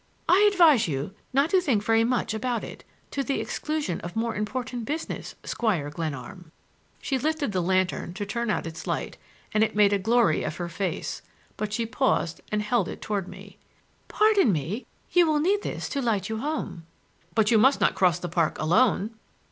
I advise you not to think very much about it,—to the exclusion of more important business,—Squire Glenarm!" She lifted the lantern to turn out its light, and it made a glory of her face, but she paused and held it toward me. "Pardon me! You will need this to light you home." "But you must not cross the park alone!"